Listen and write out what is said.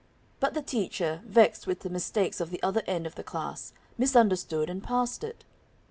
But the teacher, vexed with the mistakes of the other end of the class, misunderstood and passed it.